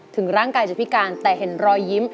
ถึงร่างกายจะพิการแต่เห็นรอยยิ้ม